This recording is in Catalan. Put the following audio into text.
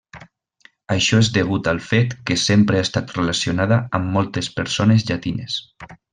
Això és degut al fet que sempre ha estat relacionada amb moltes persones llatines.